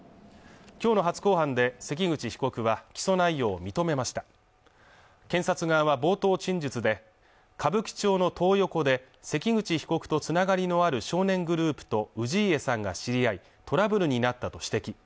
今日の初公判で関口被告は起訴内容を認めました検察側は冒頭陳述で歌舞伎町のトー横で関口被告とつながりのある少年グループと氏家さんが知り合いトラブルになったと指摘